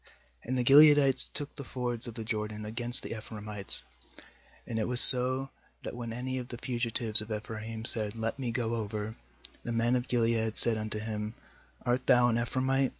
5And the Gileadites took the fords of the Jordan against the Ephraimites; and it was so, that when any of the fugitives of Ephraim said: 'Let me go over7, the men of Gilead said unto him: 'Art thou an Ephraimite?'